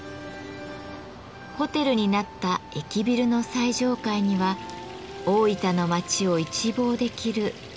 ホテルになった駅ビルの最上階には大分の街を一望できる露天風呂。